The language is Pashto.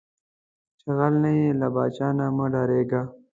چې غل نۀ یې، لۀ پاچا نه مۀ ډارېږه